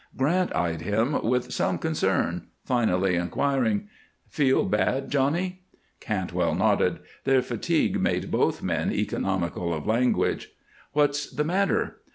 Grant eyed him with some concern, finally inquiring, "Feel bad, Johnny?" Cantwell nodded. Their fatigue made both men economical of language. "What's the matter?"